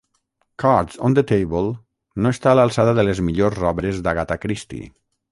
"Cards on the Table" no està a l'alçada de les millors obres d'Agatha Christie.